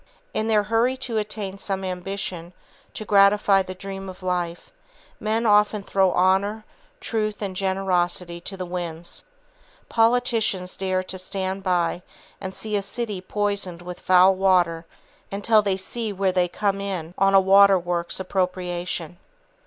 In their hurry to attain some ambition, to gratify the dream of a life, men often throw honor, truth, and generosity to the winds. Politicians dare to stand by and see a city poisoned with foul water until they "see where they come in" on a water works appropriation.